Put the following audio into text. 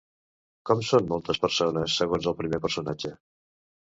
Com són moltes persones, segons el primer personatge?